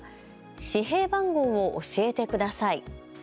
紙幣番号を教えてください。